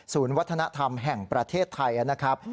วัฒนธรรมแห่งประเทศไทยนะครับ